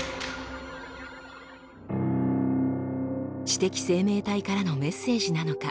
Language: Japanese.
知的生命体からのメッセージなのか。